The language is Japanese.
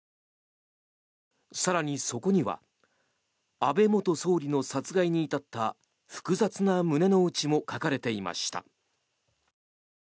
更にそこには安倍元総理の殺害に至った複雑な胸の内も書かれていました。